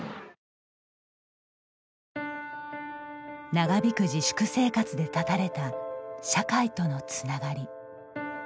長引く自粛生活で断たれた社会とのつながり。